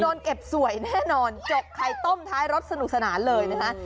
เก็บสวยแน่นอนจกไข่ต้มท้ายรถสนุกสนานเลยนะฮะ